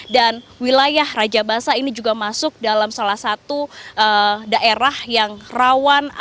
wilayah raja basah ini juga masuk dalam salah satu daerah yang rawan